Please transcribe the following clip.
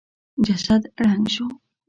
جسد ړنګ شو.